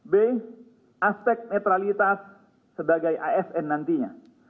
b aspek netralitas sebagai asn nantinya